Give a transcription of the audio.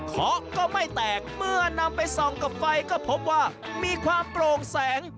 ขอก็ไม่แตกเมื่อนำไปส่องกับไฟก็พบว่ามีความโปร่งแสง